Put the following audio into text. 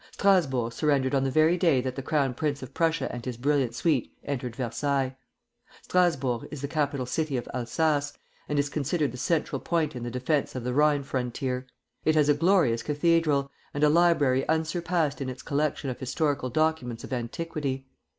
Strasburg surrendered on the very day that the Crown Prince of Prussia and his brilliant suite entered Versailles. Strasburg is the capital city of Alsace, and is considered the central point in the defence of the Rhine frontier. It has a glorious cathedral, and a library unsurpassed in its collection of historical documents of antiquity.